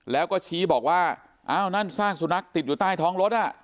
แล้วก็ชี้บอกว่าอ้าวนั่นซากสุนัขติดอยู่ใต้ท้องรถอ่ะ